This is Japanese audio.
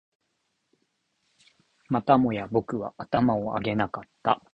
またもや僕は頭を上げなかった